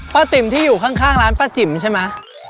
ติ๋มที่อยู่ข้างร้านป้าจิ๋มใช่ไหม